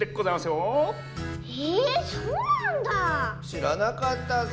しらなかったッス。